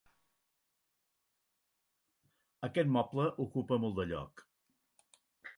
Aquest moble ocupa molt de lloc.